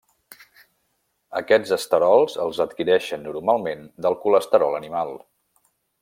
Aquests esterols els adquireixen normalment del colesterol animal.